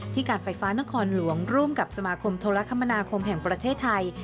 การไฟฟ้านครหลวงร่วมกับสมาคมโทรคมนาคมแห่งประเทศไทย